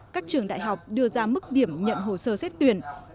các trường đại học đưa ra mức điểm nhận hồ sơ xét tuyển